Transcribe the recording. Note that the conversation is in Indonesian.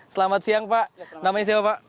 selamat siang pak namanya siapa pak